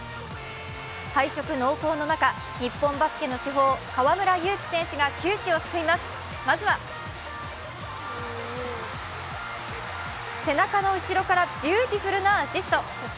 敗色濃厚の中、日本バスケの至宝、河村勇輝選手が窮地を救います、まずは背中の後ろからビューティフルなアシスト。